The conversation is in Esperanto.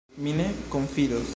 Mi ne konfidos.